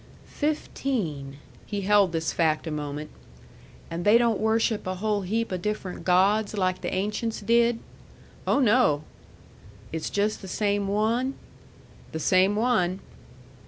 "Fifteen." He held this fact a moment. "And they don't worship a whole heap o' different gods like the ancients did?" "Oh, no!" "It's just the same one?" "The same one."